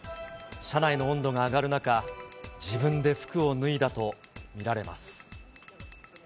車内の温度が上がる中、自分で服を脱いだと見られます。